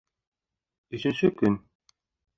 Өсөнсө көн